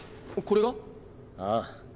これが？ああ。